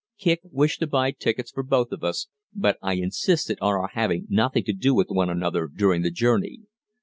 Kicq wished to buy tickets for both of us, but I insisted on our having nothing to do with one another during the journey.